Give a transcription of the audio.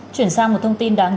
chuyển sang một thông tin